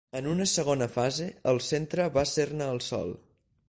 En una segona fase, el centre va ser-ne el Sol.